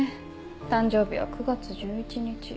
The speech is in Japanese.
誕生日は９月１１日。